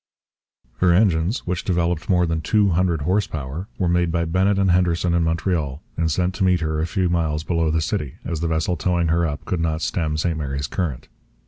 Her engines, which developed more than two hundred horse power, were made by Bennett and Henderson in Montreal and sent to meet her a few miles below the city, as the vessel towing her up could not stem St Mary's Current.